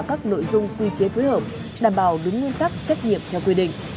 các nội dung quy chế phối hợp đảm bảo đúng nguyên tắc trách nhiệm theo quy định